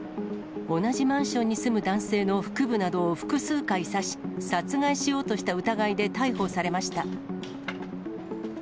同じマンションに住む男性の腹部などを複数回刺し、殺害しようとした疑いで逮捕されました。